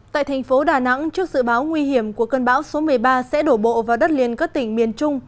tại thành phố đà nẵng trước dự báo nguy hiểm của cơn bão số một mươi ba sẽ đổ bộ vào đất liền các tỉnh miền trung